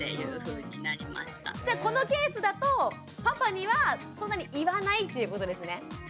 じゃあこのケースだとパパにはそんなに言わないっていうことですね？